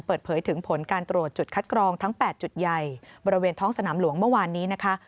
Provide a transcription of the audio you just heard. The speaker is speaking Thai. เปิดเผยถึงผลการตรวจจุดคัดกรองทั้ง๘จุดใหญ่บริเวณท้องสนามหลวงเมื่อวานนี้นะคะ